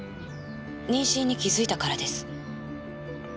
妊娠に気付いたからです。